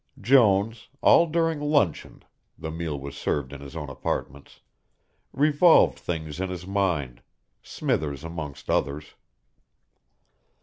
Jones, all during luncheon the meal was served in his own apartments revolved things in his mind, Smithers amongst others.